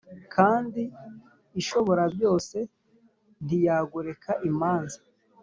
kandi ishoborabyose ntiyagoreka imanza